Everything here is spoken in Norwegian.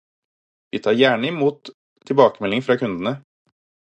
Vi tar gjerne imot tilbakemeldinger fra kundene.